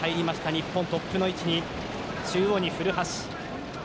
日本、トップの位置中央に古橋。